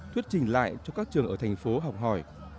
thuyết trình lại cho các trường ở thành phố học hỏi